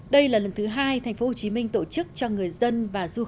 đây là lần thứ hai tp hcm tổ chức cho người dân và du khách